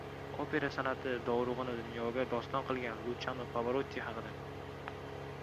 Opera san’ati dovrug‘ini dunyoga doston qilgan Luchano Pavarotti haqida